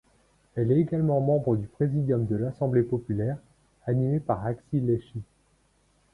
Elle est également membre du Présidium de l'Assemblée populaire, animé par Haxhi Lleshi.